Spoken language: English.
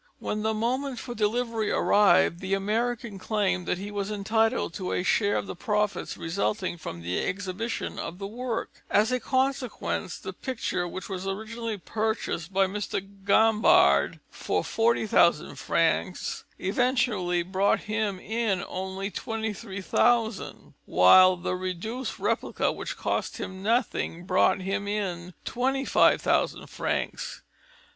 When the moment for delivery arrived, the American claimed that he was entitled to a share of the profits resulting from the exhibition of the work. As a consequence, the picture which was originally purchased by Mr. Gambard for 40,000 francs, eventually brought him in only 23,000, while the reduced replica, which cost him nothing, brought him in 25,000 francs.